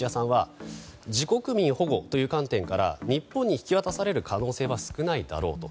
自国民保護という観点から日本に引き渡される可能性は少ないだろうと。